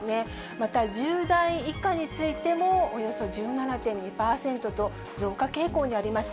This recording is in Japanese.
また１０代以下についても、およそ１７．２％と増加傾向にあります。